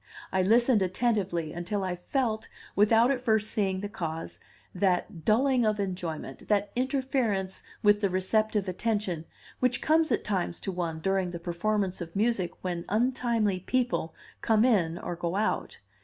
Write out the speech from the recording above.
I listened attentively, until I felt, without at first seeing the cause, that dulling of enjoyment, that interference with the receptive attention, which comes at times to one during the performance of music when untimely people come in or go out.